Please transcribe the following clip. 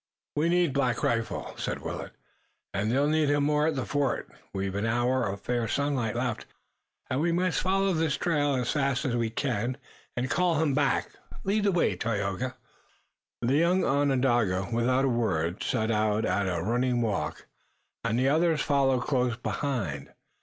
"We need Black Rifle," said Willet, "and they'll need him more at the fort. We've an hour of fair sunlight left, and we must follow this trail as fast as we can and call him back. Lead the way, Tayoga." The young Onondaga, without a word, set out at a running walk, and the others followed close behind.